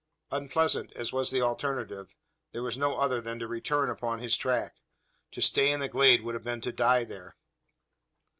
Unpleasant as was the alternative, there was no other than to return upon his track. To stay in the glade would have been to die there.